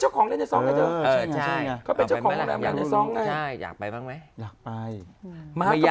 เจ้าของต่างได้สองในซองนะที่อยากไปบ้างไหมอยากไปง่าย